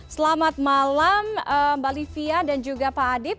selamat malam mbak livia dan juga pak adib